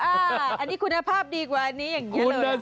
อันนี้คุณภาพดีกว่าอันนี้อย่างนี้เลย